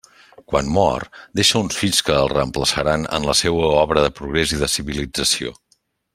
Quan mor, deixa uns fills que el reemplaçaran en la seua obra de progrés i de civilització.